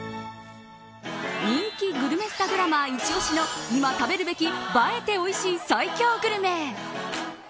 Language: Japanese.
人気グルメスタグラマーいち押しの今食べるべき映えておいしい最強グルメ。